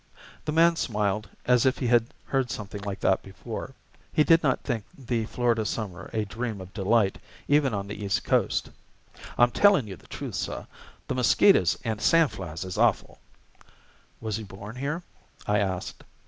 The man smiled, as if he had heard something like that before. He did not think the Florida summer a dream of delight, even on the east coast. "I'm tellin' you the truth, sah; the mosquiters an' sandflies is awful." Was he born here? I asked.